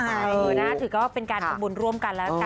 เออนะถือว่าเป็นการทำบุญร่วมกันแล้วกันนะครับ